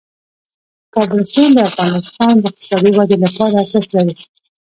د کابل سیند د افغانستان د اقتصادي ودې لپاره ارزښت لري.